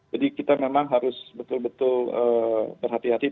jadi kita memang harus betul betul berterima kasih ya